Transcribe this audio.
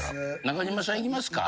中島さんいきますか。